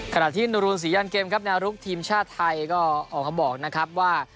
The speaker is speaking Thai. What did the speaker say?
ขณะที่นรูนศรียันเกมครับแนวรุกทีมชาติไทยก็ออกมาบอกนะครับว่า